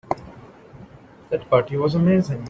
That party was amazing.